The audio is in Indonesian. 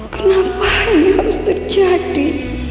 kenapa ini harus terjadi